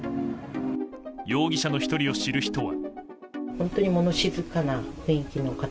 容疑者の１人を知る人は。